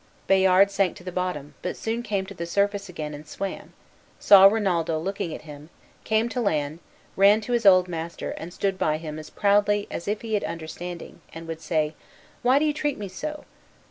Bayard sank to the bottom, but soon came to the surface again and swam, saw Rinaldo looking at him, came to land, ran to his old master, and stood by him as proudly as if he had understanding, and would say, "Why did you treat me so?"